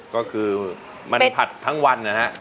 ก็คือมันผัดทั้งวันนะฮะ